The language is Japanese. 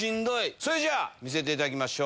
それじゃあ、見せていただきましょう。